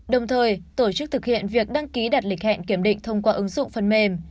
đồng thời tổ chức thực hiện việc đăng ký đặt lịch hẹn kiểm định thông qua ứng dụng phần mềm